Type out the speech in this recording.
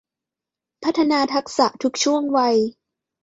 พัฒนาทักษะทุกช่วงวัย